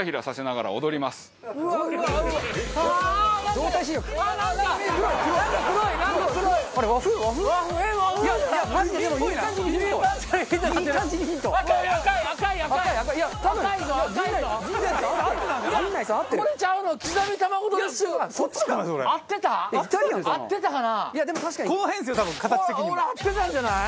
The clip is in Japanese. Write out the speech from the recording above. ほらほら合ってたんじゃない？